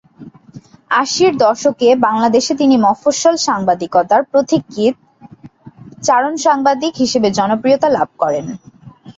আশির দশকে বাংলাদেশে তিনি মফস্বল সাংবাদিকতার পথিকৃৎ "চারণ সাংবাদিক" হিসেবে জনপ্রিয়তা লাভ করেন।